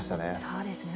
そうですね。